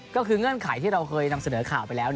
ก็คือเงื่อนไขที่เราเคยนำเสนอข่าวไปแล้ว